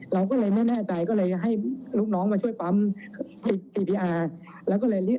เราก็เลยไม่แน่ใจก็ให้ลูกน้องมาช่วยปรับความเซภีย์ความรู้ต่อ